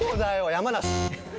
⁉山梨。